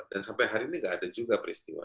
dan sampai hari ini nggak ada juga peristiwa